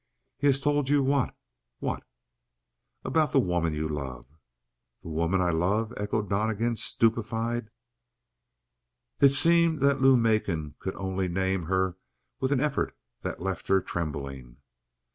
"He has told you what? What?" "About the woman you love." "The woman I love?" echoed Donnegan, stupefied. It seemed that Lou Macon could only name her with an effort that left her trembling.